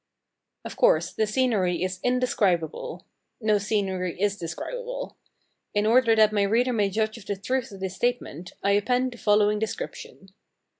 Of course, the scenery is indescribable no scenery is describable. In order that my reader may judge of the truth of this statement, I append the following description.